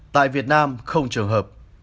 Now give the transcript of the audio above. tại việt nam trường hợp